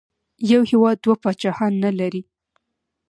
یو هېواد دوه پاچاهان نه لري.